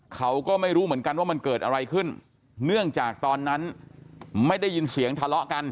เขาก็ไม่รู้เหมือนกันว่ามันเกิดอะไรขึ้นเนื่องจากตอนนั้นไม่ได้ยินเสียงทะเลาะกัน